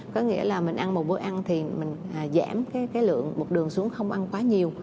có nghĩa là mình ăn một bữa ăn thì mình giảm cái lượng một đường xuống không ăn quá nhiều